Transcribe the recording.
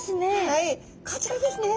はいこちらですね。